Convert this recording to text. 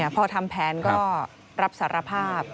พอทำแผนก็รับสารภาพ